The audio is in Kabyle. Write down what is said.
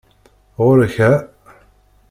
Ɣuṛ-k ha!